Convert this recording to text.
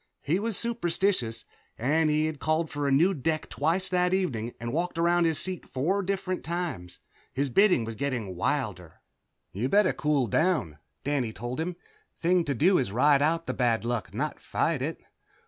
He was superstitious, and he had called for a new deck twice that evening and walked around his seat four different times. His bidding was getting wilder. "You'd better cool down," Danny told him. "Thing to do is ride out the bad luck, not fight it."